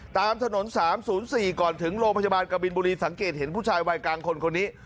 ตามถนน๓๐๔ก่อนถึงโรงพยาบาลกบินบุรีสังเกตเห็นผู้ชายวัยกลางคนคนนี้